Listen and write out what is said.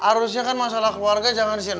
harusnya kan masalah keluarga jangan disini